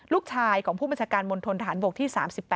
ลูกชายของผู้บัญชาการมณฑนฐานบกที่๓๘